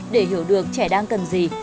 để hiểu được trẻ đang cần gì